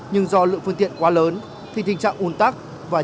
nhưng do lượng phương tiện quá lớn thì tình trạng un tắc